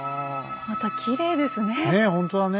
またきれいですね。